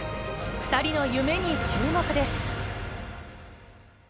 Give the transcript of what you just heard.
２人の夢に注目です。